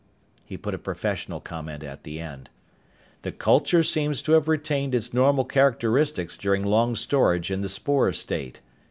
He put a professional comment at the end: _The culture seems to have retained its normal characteristics during long storage in the spore state.